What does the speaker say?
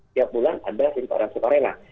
tiap bulan ada sintoran sukarela